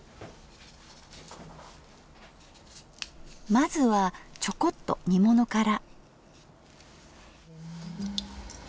まずはちょこっと煮物から。